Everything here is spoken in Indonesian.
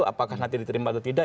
apakah nanti diterima atau tidak